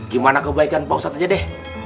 gimana kebaikan pak ustadz aja deh